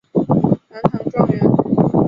南唐状元。